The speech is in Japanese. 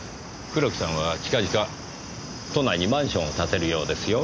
黒木さんは近々都内にマンションを建てるようですよ。